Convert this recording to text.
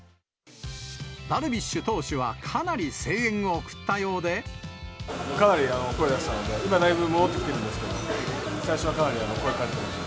ダルビッシュ投手はかなり声援をかなり声出したので、今だいぶ、戻ってきてるんですけども、最初はかなり声かれてました。